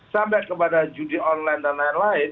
sampai kepada judi online dan lain lain